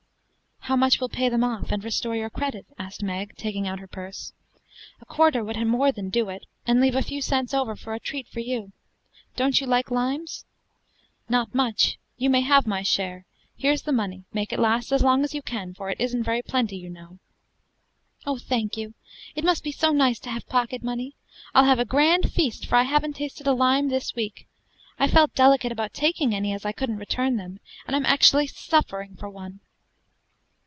"How much will pay them off, and restore your credit?" asked Meg, taking out her purse. "A quarter would more than do it, and leave a few cents over for a treat for you. Don't you like limes?" "Not much; you may have my share. Here's the money: make it last as long as you can, for it isn't very plenty, you know." "Oh, thank you! it must be so nice to have pocket money. I'll have a grand feast, for I haven't tasted a lime this week. I felt delicate about taking any, as I couldn't return them, and I'm actually suffering for one."